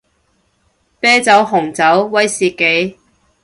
啤酒紅酒威士忌